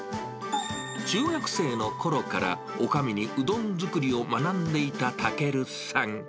中学生のころから、おかみにうどん作りを学んでいた尊さん。